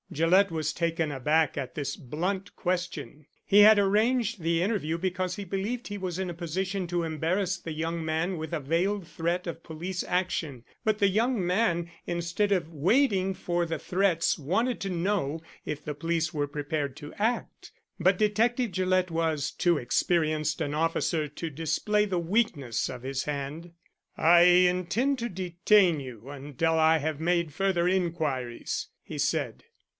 Gillett was taken aback at this blunt question. He had arranged the interview because he believed he was in a position to embarrass the young man with a veiled threat of police action, but the young man, instead of waiting for the threats, wanted to know if the police were prepared to act. But Detective Gillett was too experienced an officer to display the weakness of his hand. "I intend to detain you until I have made further inquiries," he said.